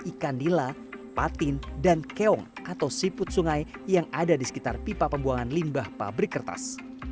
ikan nila patin dan keong atau siput sungai yang ada di sekitar pipa pembuangan limbah pabrik kertas